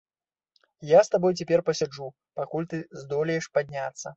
Я з табой цяпер пасяджу, пакуль ты здолееш падняцца.